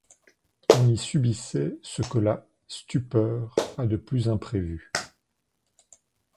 On y subissait ce que la stupeur a de plus imprévu.